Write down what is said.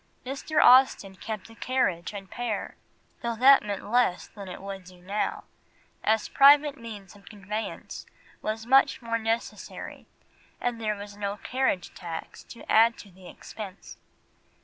Mr. Austen kept a carriage and pair, though that meant less than it would do now, as private means of conveyance was much more necessary and there was no carriage tax to add to the expense.